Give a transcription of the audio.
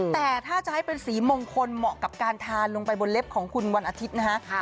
แต่ถ้าจะให้เป็นสีมงคลเหมาะกับการทานลงไปบนเล็บของคุณวันอาทิตย์นะฮะ